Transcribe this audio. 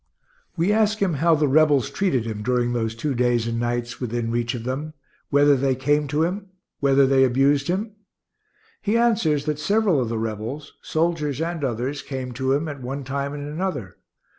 We ask him how the Rebels treated him during those two days and nights within reach of them whether they came to him whether they abused him? He answers that several of the Rebels, soldiers and others, came to him, at one time and another.